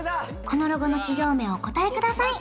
このロゴの企業名をお答えください